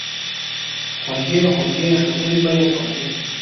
خوږې خوږې خبرې به ئې کولې